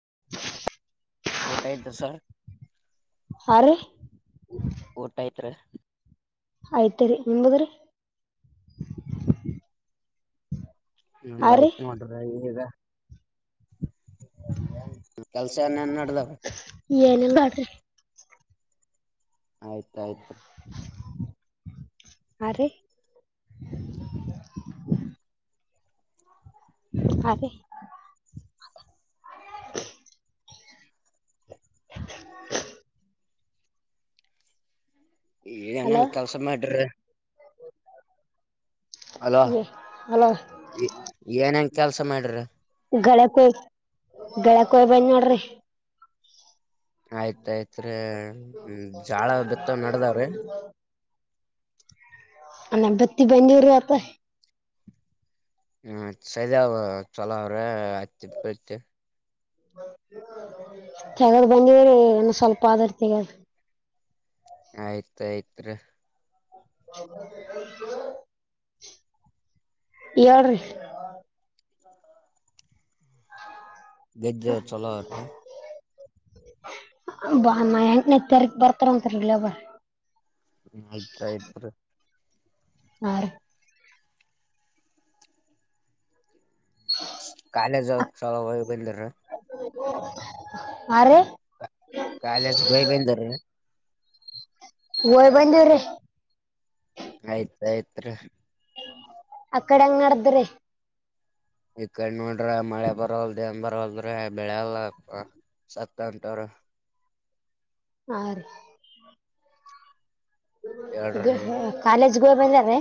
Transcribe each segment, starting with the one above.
[unintelligible] ಊಟ ಆಯ್ತ ಸರ್ ಹಾ ರೀ ಓಟ ಆಯ್ತ್ ಆಯ್ತೇರಿ ನಿಮಂಬದ್ರಿ ನೋಡುವ ಆಯ್ತ ನೋಡ ಈಗ ಕೆಲ್ಸ ಏನೇನ್ ನಡ್ದಾವ್ರಿ ಏನೆಲ್ಲ ಮಾಡ್ರಿ ಆಯ್ತಾಯ್ತ್ ಅ ಅ [unintelligible] ಹಲೋ ಈಏನನ್ ಕೆಲ್ಸ ಮಾಡ್ರ ಅಲೋ ಇ ಅಲ ಏನೇನ್ ಕೆಲ್ಸ ಮಾಡ್ರಿ ಳಕ್ಕೋಯಿ ಳಕೋಯಿ ಬಂದ್ ನೋಡ್ರಿ ಆಯ್ತಾಯ್ತ್ರಿೀ ಜಾಳ ಬಿತ್ತವ ನಡದಾವ್ರೀ ಅ ನಂಬತ್ತಿ ಬಂದಿರು ಅತ ಹ್ಮ ಸದ ಚಲೋ ಅವ್ರೆ ಆತಿತಿ ತಗದ್ ಬಂದಿದ್ರಿ ಏನು ಸ್ವಲ್ಪ ಆದಾರ್ ತೆಗದು ಆಯ್ತ್ಾಯ್ತ್ ಹ ಎಳ್ರೀ ಗದ್ದೆ ಚಲೋ ಅವ್ರ ಹ್ಮ ಬಾಮ ಹೆಂ ತಾರ ಬರ್ತಾರ ಉಂತಲ್ಲ ಬ ಆಯ್ತ ಆಯ್ತು ಹಾ ಕಾನ ಚಲ ಬ ಅ ರ ಕಲಸ ಭಯ ಬಂತ ಹ ಬಂದೇವ್ರೆ ಆಯ್ತ್ಾಯಯ್ತ್ ಅ ಕಡೆ ಹಂಗ ನಡ್ದ್ರೆ ಈ ಕಡೆ ನೋಡ್ರ ಮಳೆ ಬರಲ್ ದೇನ್ ಬರಲ್ದ್ರ ಬೆಳೆಲ್ಲಪ್ಪ ಸತ್ತಂತಾರ ಹಾ ರೀ ಹೇಳ್ರಿ ನೀ ಕಾಲೇಜ್ ಗೋಯ್ ಬಂದ ರೆ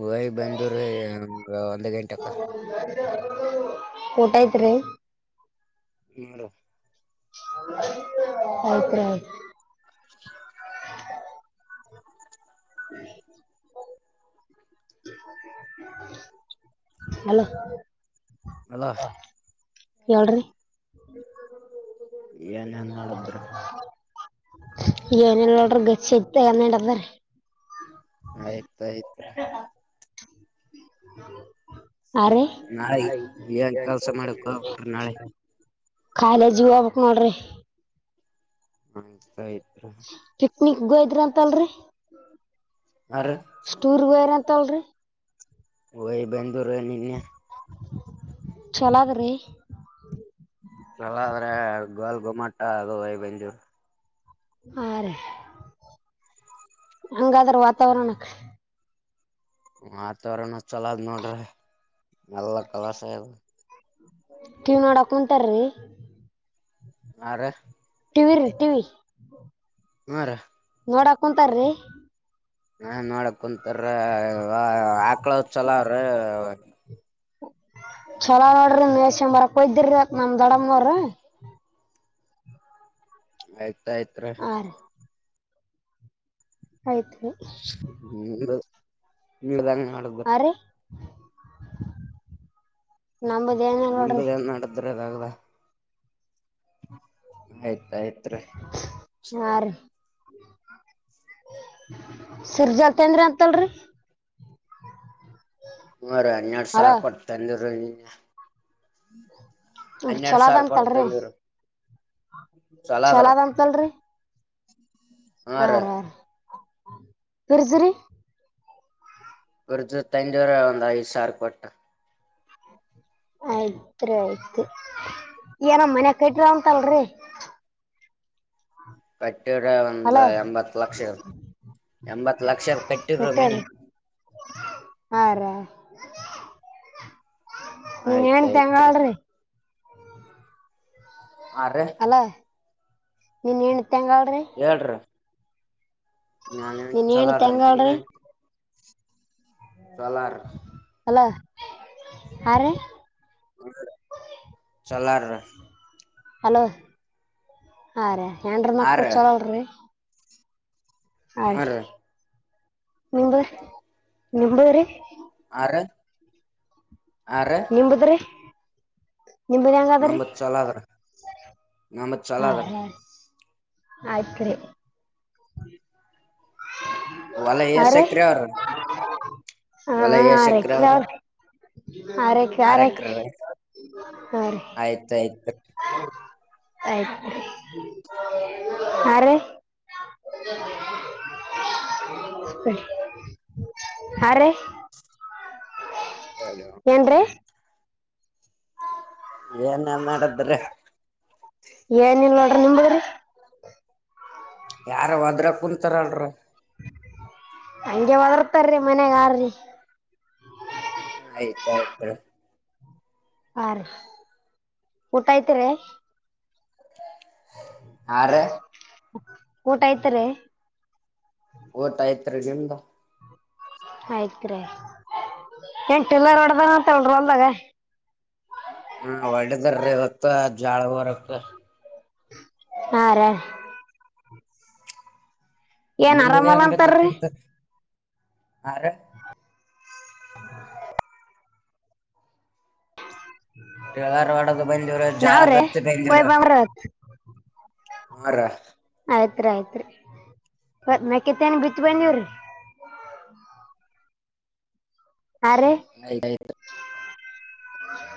ಹೋಗಿ ಬಂದವ್ರಿ ಒಂದ್ ಗಂಟೆಕ ಊಟ [inaudible] ಹ ಆತರ [inaudible] ಹ್ಮ ಅಲೋ ಅಲ ಹೇಳ್ರಿ ಏನೇನ್ ನೋಡದ್ರ ಏನ್ ಇಲ್ ನೋಡ್ರಿಗಚ್ಚತದಾರ ಯತ ಇತ ಆರಿ ನಾಳೆ ಏನ್ ಕೆಲ್ಸ ಮಾಡಕ್ ಹೋಗ್ಬಿಟ್ರಿ ನಾಳೆ ಕಾಲೇಜ್ ಹೋಗ್ಬೇಕ್ ನೋಡ್ರಿ ಹ್ಮ್ ಆಯ್ತು ಪಿಕ್ನಿಕ್ಗೋಯ್ರ ಅಂತಲ್ರಿ ಅರ ಟೂರ್ ಹೋಗಿದ್ರಂತೆಳ್ರಿ ಓಯ್ ಬೆಂಗಳೂರಲ್ಲಿ ಛಲವಾದರೆ ಹಲಾದ್ರೆ ಗಲ್ ಗುಮಟ್ಟ ಅದು ಬೆಂಜೂ ಹಾ ರೀ ಹಂಗಾದ್ರ ವಾತಾವರಣ ವಾತಾವರರಣ ಚಲೋದ್ ನೋಡ್ರಿ ಎಲ್ಲ ಕಲಸ ಇಲ್ ಕಿವ್ ನೋಡಕ್ ಉಂಟಾರಿ ಆ ರಿ ಟಿವಿ ರೀ ಟಿವಿ ಅರೆ ನೋಡಾ ಕುಂತಾರೀ ನಾ ನೋಡ ಕುಂತರ ಆಕ್ಳ ಚಲ ಅವ್ರೀ ಚಲೋ ನೋಡ್ರಿ ಮ ಶಂಬರಕ್ಯ್ದಿರಿ ಅ ನಮ ದಡರ್ರಿ ಆಯ್ತಾಯಯ್ತ್ ಹಾಂ ರೀ ಆಯ್ತು ರೀ ಹ್ಮ ನೀದಂಗ ಮಾಡುದು ಹಾಂ ರೀ ನಮ್ಮದು ಏನಿಲ್ಲ ನಿಮ್ದ ನೋಡ್ರಿ ಎನ್ ನಡದ್ರ ಯಾಗದ ಆಯ್ತಾಯ್ತ್ರಿ ಆರಿ ಸರ್ ಜಾಲ್ತ ಅಂದ್ರಿ ಅಂತಲ್ರಿ ಹರ ಅನ್ಯಡು ಹಲೋ ಸಾರ್ ಕೊಡ್ತರ ಹನ್ನೆರಡು ಚಲೋ ಅದ ಸಾವಿರ ಕೊಡ್ತ ನೀರು ಚಲದ್ ಅಂತಲ್ರಿ ಹಾ ರಾರ ಪ್ರ್ರಜರಿ ಒ ಜವತ್ತಂಜೂರೆ ಒಂದ ಈಐ ಸಾರ್ ಕೊಟ್ಟ ಆಯ್ತ್ರಿ ಆಯ್ತು ಏನ ಮನ್ಯಕ ಇಟ್ರ ಅಂತಲ್ರಿ ಆ ಕಟ್ಟ್ರ ಒಂದ್ ಹಲೋ ಎಂಬತ್ ಲಕ್ಷ ಎಂಬತ್ ಲಕ್ಷ ಕಟ್ಟಿದರು ಕಟ್ಟಾರಿ ಮನಿ ಹಾ ರಾ ನೀನ್ ಏನ್ಂತ ಆಯ್ತಾಯ್ತ್ರಿ ಹೆಂಗಳ್ರಿ ಆರ ನೀನ್ ಏನ ಇತ್ತ ಹೆಂಗಳ್ರಿ ನಾನ ನಿನ್ ಹೆಣ್ ಚಲಾರ ನಿ ತಂಗಾಳ್ರಿ ಚಲಾರ ಅಲ ಯ ರೀ ಚಲಾರ ಹಲೋ ಹಾ ರೀ ಏನ್ರ ಹಾ ಮಕ್ಳು ರಿ ಚಲಲ್ೀ ಅ ಹ್ಮ್ ರಿ ನಿರಿ ನಿ ರೀ ಆ ನಿಂಬುದ್ರಿ ನಿಂಬನ್ ಹೆಂಗ ಅದ್ರರಿ ನಮ್ದ ಚಲೋ ಅದ್ರಿ ನಮ್ದ ಚಲೋ ಅದ್ರಿ ಹ ಆಯ್ತ್ರ ಒಲ್ಲ ಎಸೆ ಕ್ರರು ಮಲ ಹಾಂ ಯಶ ಆರೈಕೆ ಅಕರಾವ ಆರೈಕೆ ಆರ ಆರೈಕೆ ಎಕರಾವ ಹಾಂ ರೀ ಆಯ್ತ ಆಯ್ತು ಆಯ್ತು ಯಾರು [unintelligible] ಹ ರಿ ಅದ ಹ್ಮ್ ಏನ ನಡದ್ರ ಬರ್ರಿ ಏನ ಇಲ್ ನೋಡ್ರಿ ನಿಮ್ರಿ ಯಾರ ಒದ್ರ ಕುಂತಾರಲ್ರ ಹಂಗೆ ಹೊದರ್ತಾರಿ ಮನ್ಯಗಾರ್ರಿ ಆಯ್ತ ಆ್ ಹಾ ರೀ ಊಟ ಐ್ತಿ ರ ಆರಿ ಊಟ ಆಯ್ತಾರೆ ಊಟ ಆಯ್ತರಿ ನಿಮ್ದ ಆಯ್ತ್ರೆ ಎಂಟು ಎಲ್ಲಾರ ಒಡ್ದನ ಅಂತ ಹೇಳರಿ ಅಲ್ದಾಗ ಹ್ಮ ಒಳ್ಳೇದರೀ ಇವತ್ತು್ ಜಾಳ ಬರಕ್ ಹಾರ ಏನ್ ಇ ಆರಾಮಲ್ಲ ವೇಂಬತ್ತ ಅಂತಾರ್ರಿ ಕೊಡ್ತ ಆರ [unintelligible] ಗಾರ ಒಡದು ಬಂದವರು ಜಾಳ ನಾವ್ರಿ ಬತ್ತಿ ಕೊಯ್ ಬಂದವರು ಬಂದ್ರ ಹಾ ರಾ ಆಯ್ತ್ರಿ ಆಯ್ತ್ರಿ ಮ ಕೆತ್ತ ನ್ ಬಿತ್ ಬಂದವ್ರಿ ಆ್ತಯ್ತು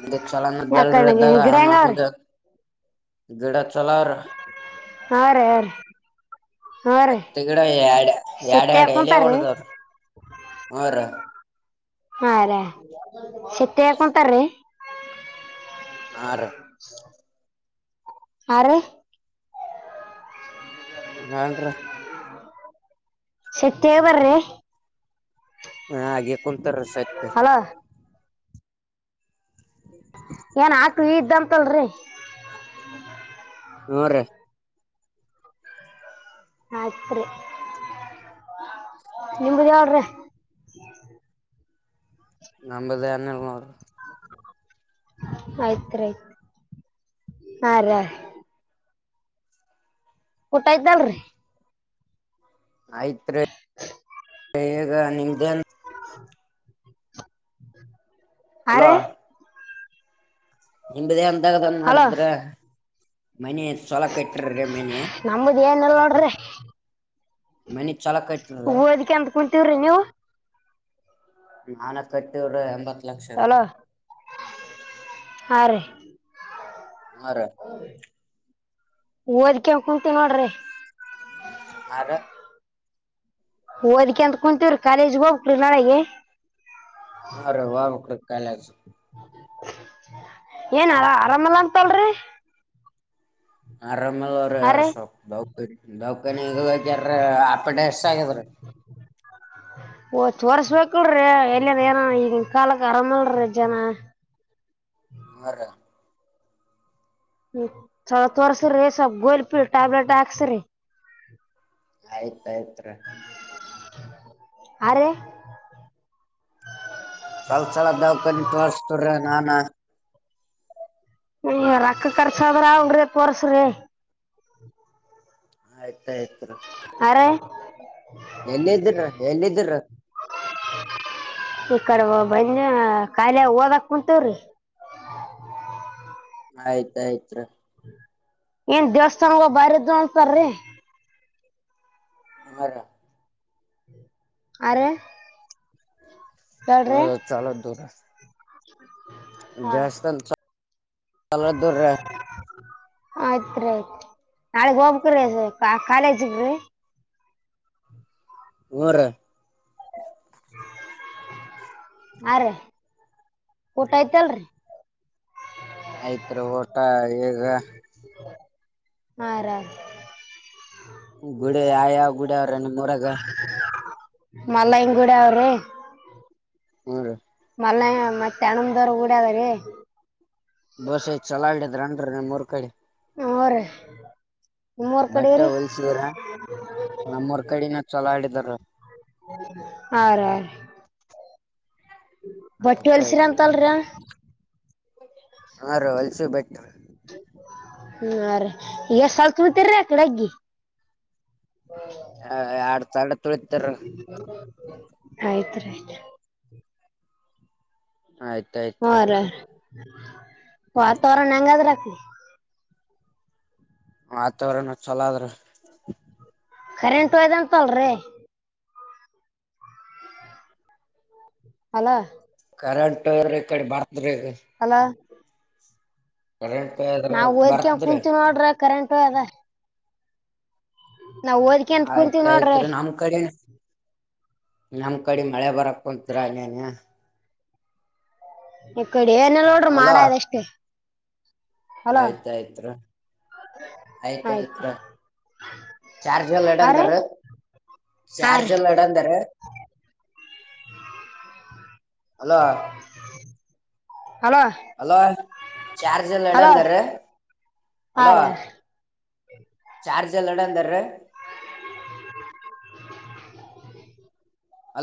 ಒಂದು ಯಾಕಣ್ಣ ಚಲನದ್ದಲ್ದ ಹ ಗಿಡ ಹೆಂಗಾವ್ರಿ [inaudible] ಗಡ ಚಲಾವರ ಹಾ ರ ಯ ರೀ ಹಾ ರೀ ಹತ್ತು ಗಿಡ ಎ ಎರಡು ಸೆತ್ತೆ ಎರಡು ಎಲ್ಲಿ ಹಾಕೊಂತಾರ್ರಿ ಹೊಡದವ್ರ ಹರ ಹಾ ರಾ ಶತಂತಾರೀ ಹಾ ರೀ ಹ ಆರ ನನ್ರ ಶತ್ಯ ಬರ್ರೆ ಹ ಹಾಗೆ ಕುಂತರಸ ಆಯ್ತ ಹಲೋ ಏನ್ ಹಾಕ್ ಇದ್ದಂತಲ್ರಿ ಹ್ಮ ರ ಹತ್ರಿ ನಿಮ್ದ ಯಾವ್ರೀ ನಂಬದ ಹನ್ನಲ್ನೋರು ಆಯ್ತ್ಯ್ತ್ ಹಾ ರ ಊಟ ಇದ್ದಲ್ರರಿ ಆಯ್ತ್ರಿ ಈಗ ನಿಮ್ದೇನ್ ಹಾ ಹಲೋ ರೀ ನಿಂಬದೇ ಅಂದಾಗದನ್ ಹಲೋ ಮಾಡಿದ್ರ ಮನೆ ಎಷ್ಟು ಚಲೋ ಕಟ್ಟ್ರಿ ಮನೆ ನಮ್ಮದು ಏನಿಲ್ಲ ನೋಡ್ರಿ ಮನಿ ಚಲ ಕ ಇತ್ರ ಓದ್ಕ್ಯಂತ ಕುಂತೀವ್ರಿ ನೀವು ನಾನ ಕಟ್ಟಿವರ ಎಂಬತ್ ಲಕ್ಷ ಅದ ಆರಿ ಹರ ಓದ್ಕ ಕುೂತಿ ನೋಡ್ರಿ ಆ ಓದ್ಿಕ ಅಂತ ಕುಂತೀವ್ರಿ ಕಾಲೇಜ್ಗೆ ಹೋಗ್್ರಿ ನಾಳಗೆ ಹಾ ರ ವ ಮಳ ಕಾಲ ಏನ ಆರಾಮಲ್ಲ ಅಂತಲ್ರಿ ಆರಾಮದ ಹಾ ರೀ ಅವ್ರಪ್ ದೌ ದೌಖಾನಿಗ್ಯಾರ ಆಪಡೆ ಎಷ್ಟ ಆಗ್ಯದ್ರೀ ಓ ತೋರ್ಸ್ಬೇಕಲ್್ರಿ ಎಲ್ಲಿನ್ ಏನ ಈಗನ್ ಕಾಲಕ್ ಆರಾಮಲ್ರಿ ಜನ ಹರ ಹ್ಮ ತೋರ್ಸ್ರಿ ಸ್ಲ್ ಗೋಲ್ಪಿ ಟ್ಯಾಬ್ಲೆಟ್ ಹಾಕ್ಸ್ರಿ ಆಯ್ತ್ ಆಯ್ತ್ರಿ ಆ ಸವಲ್ ಸಲ ದವಕನ್ಿ ತೋರ್ಸ್ತರ್ರ ನಾನ ಹ ರೊಕ್ಕ ಕರ್ಸದ್ರ ಅವಂಗ್ರಿ ತೋರ್ಸ್ರಿ ತತ್ರ ಅರೆ ಎಲ್ಲಿದಿ್ರ ಎಲ್ಲಿದ್ದಿ್ರ ಈ ಕಡೆ ಬಂದ ಖಾಯಿಲೆ ಓದಕ್ ಕುಂಂತವ್ರಿ ಆಯ್ತ್ಾಯ್ತ್ ಏನ್ ದೇವಸ್ಥಾನಗ ಬಾರ ಇದರು ಅಂತಾರಿ ಆರ ಆರೆ ಹ ಚಾಲೋತ್ ದೂರ ಹಾ ದಸ್ಥಾನರ ಆಯ್ತ್ರಿೀ ಆಯ್ತ್ ನಾಳಗ್ ಹೋಗಬ್ರಿ ಕಾಲೇಜ್ರಿ ಮೂರ ಹ ರೀ ಊಟ ಐ್ತಲ್ರಿ ಆಯ್ತ್ರಿ ಊಟ ಈಗ ಹಾರಾಮ ಗುಡ ಯ ಯಾವ ಗುಡ ಅವ್ರ ನಿ ಮೂರಗ ಮಲ್ಲಂಗೂಡ ಅವ್ರೀ ಹ್ಮ ರ ಮಲ್ಲ ಮತ್ತೆ ಅಣ ದರ ಡದ ರೀ ಬಸ ಚಲವಡತ್ ರಾಂಡ್ರೆ ಮರಕಡಿ ಹಾ ರ ಬಟ್ಟೆ ಹೊೋಲ್ಸಿದ್ರ ನಮ್ಮೂರ್ ಕಡಿನ ಚಲೋ ಆಡಿದಾರ ಹಾ ರ ಯ ರೀ ಬಟ್ಟಿ ಹೊಲ್ಸಿರ ಆಯ್ತಾಯ್ತ್ ಅಂತಲ್ರ ಹಾ ರಲ್ ಸ ಬೆಟ್ಟ ಹ್ಮ್ರೀ ಎಷ್ಟ ಸಲ್ತ್ತಿ ಆ ಕಡೆಗಿ ಹ ಆಡ್ತಡ್ ಆಯ್ತ್ರಿೀ ಆಯ್ತಾಯ್ತ್ ಹಾ ಹೊತ ರಿ ಅವರ ನಂಗತ್ ರಾಕಲಿ ಆತ್ವ್ರನ ಚಲೋ ಆದ್ರ ಕರೆಂಟ್ ಅಯದಂತ ಅಲ್ರಿ ಅಲ ಕರೆಂಟ್ ಈ ಕಡೆ ಬರ್ದ್ರಿ ಹಲೋ ಇದ್ರ ನಾವವು ಓದ್ಕ ಬರ್ತದ್ರಿ ಕುಂಚ ನೋಡ್ರ ಕರೆಂಟ ಅದ ನಾವ್ ಓದ್ಿಕೆ ಅಂತ ಕುೂಂತೀವಿ ಆಯ್ತಾಯ್ತ್ ನೋಡ್ರಿ ರಿ ನಮ್ ಕಡೆನು ನಮ್ ಕಡಿ ಮಳೆ ಬರಕ್ ಕುಂತರ ನೀೇನ ಹ ಕೊಡಿ ಏನೆಲ್ಲ ನೋಡ್ರಿ ಮಾಡದ್ ಅಷ್ಟೇ. ಹಲೋ ಆಯ್ತಾಯ್ತ್ ಆಯ್ತು ಆಯ್ತಾಯ್ತ್. ಚಾರ್ಜ್ ಎಲ್ಲ ಹಾ ರೀ ಎಡಂದಾರ್ ಹಾ ಚಾರ್ಜ್ ರೀ ಎಲ್ಲ ಎಡಂದಾರ್. ಹ. ಅಲೋ ಚಾರ್ಜ್ ಎಲ್ಲ ಎಡಂದಾರ್. ಹರ. ಚಾರ್ಜ್ ಎಲ್ಲಡ ಅಂದಾರ.